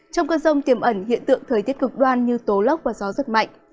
trong cơn rông tiềm ẩn hiện tượng thời tiết cực đoan như tố lốc và gió rất mạnh